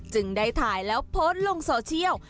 ได้ถ่ายแล้วโพสต์ลงโซเชียล